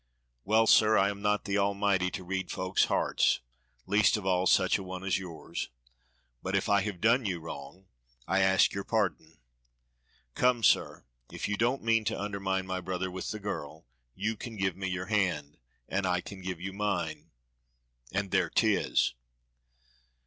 "Well, sir I am not the Almighty to read folk's hearts least of all such a one as yours but if I have done you wrong I ask your pardon. Come, sir, if you don't mean to undermine my brother with the girl you can give me your hand, and I can give you mine and there 'tis."